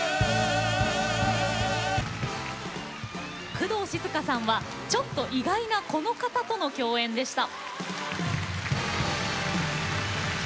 工藤静香さんは、ちょっと意外なこの方との共演でした。